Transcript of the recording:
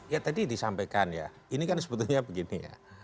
ya tadi disampaikan ya ini kan sebetulnya begini ya